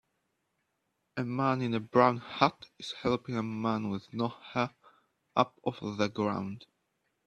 A man in a brown hat is helping a man with no hair up off the ground.